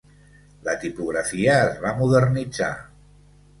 La tipografia es va modernitzar.